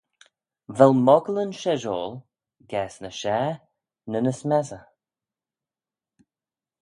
Vel moggylyn sheshoil gaase ny share ny ny smessey?